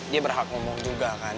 dia berhak ngomong juga kan